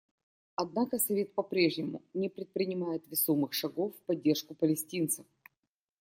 Однако Совет по-прежнему не предпринимает весомых шагов в поддержку палестинцев.